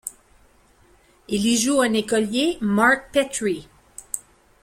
Il y joue un écolier, Mark Petrie.